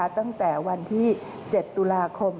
ตั้งแต่วันที่๗ตุลาคม